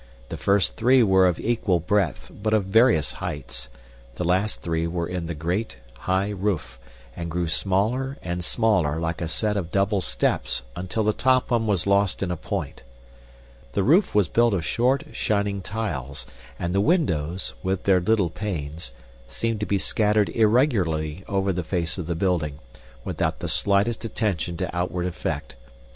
The first three were of equal breadth but of various heights, the last three were in the great, high roof, and grew smaller and smaller like a set of double steps until the top one was lost in a point. The roof was built of short, shining tiles, and the windows, with their little panes, seemed to be scattered irregularly over the face of the building, without the slightest attention to outward effect.